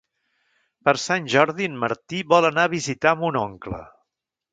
Per Sant Jordi en Martí vol anar a visitar mon oncle.